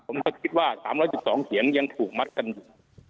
ผมก็คิดว่า๓๑๒เสียงยังถูกมัดกันอยู่